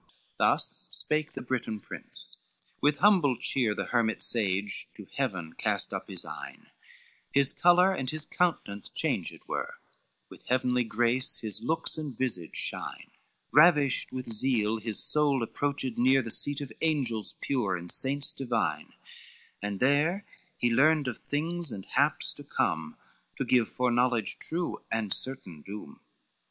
LXXIII Thus spake the Briton prince, with humble cheer The hermit sage to heaven cast up his eyne, His color and his countenance changed were, With heavenly grace his looks and visage shine, Ravished with zeal his soul approached near The seat of angels pure, and saints divine, And there he learned of things and haps to come, To give foreknowledge true, and certain doom.